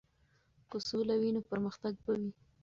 که سوله وي نو پرمختګ به وي.